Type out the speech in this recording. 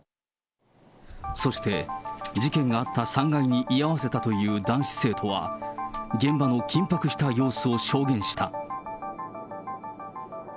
そして事件があった３階に居合わせたという男子生徒は、現場の緊迫した様子を証言した。